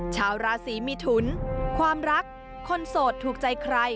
ชาวราศีมิถุนความรักคนโสดถูกใจใคร